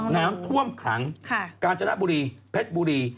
น้ำท่วมขังกาญจนบุรีเพชรบุรี